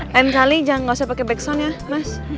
lain kali jangan pake back sound ya mas